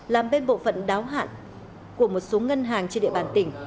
làm bên bộ phận đáo hạn của một số ngân hàng trên địa bàn tỉnh